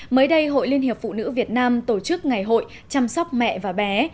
mới đây hội liên hiệp phụ nữ việt nam tổ chức ngày hội chăm sóc mẹ và bé